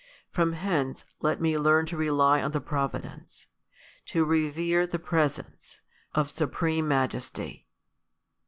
From hence let me learn to rely on the providence, and to revere the pres ence, of Supreme Majesty.